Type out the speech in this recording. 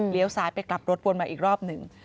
ซ้ายไปกลับรถวนมาอีกรอบหนึ่ง